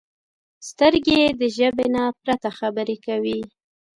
سترګې د ژبې نه پرته خبرې کوي